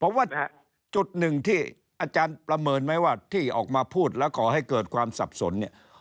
ผมว่าจุดหนึ่งที่อาจารย์ประเมินไหมว่าที่ออกมาพูดแล้วก่อให้เกิดความสับสนเนี่ย